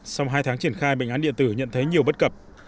sau hai tháng triển khai bệnh án điện tử nhận thấy nhiều bất cập